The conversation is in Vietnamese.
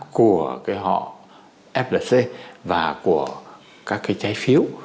của họ flc và của các trái phiếu